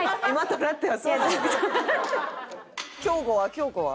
京子は？